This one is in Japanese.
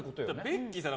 ベッキーさん